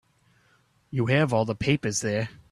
You have all the papers there.